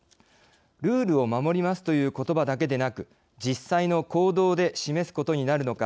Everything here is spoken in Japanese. ルールを守りますという言葉だけでなく実際の行動で示すことになるのか